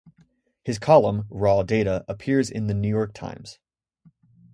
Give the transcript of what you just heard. His column, "Raw Data," appears in "The New York Times".